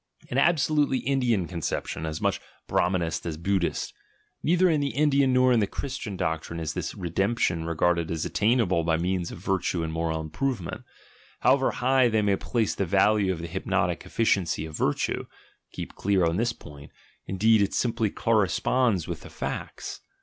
— An absolutely Indian conception, as much Brahmanist as Buddhist. Neither in the Indian nor in the Christian doctrine is this "Redemption" regarded as attainable by means of virtue and moral improvement, however, high they may place the value of the hypnotic efficiency of virtue: keep clear on this point — indeed it simply corresponds with the facts.